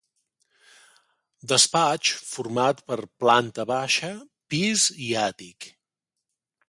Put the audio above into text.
Despatx format per planta baixa, pis i àtic.